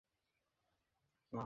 কী করছো সাজ্জাদ!